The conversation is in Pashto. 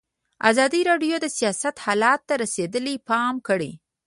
ازادي راډیو د سیاست حالت ته رسېدلي پام کړی.